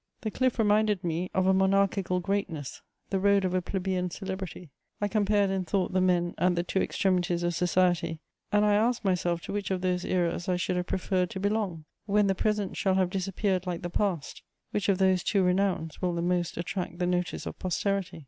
] The cliff reminded me of a monarchical greatness, the road of a plebeian celebrity: I compared in thought the men at the two extremities of society, and I asked myself to which of those eras I should have preferred to belong. When the present shall have disappeared like the past, which of those two renowns will the most attract the notice of posterity?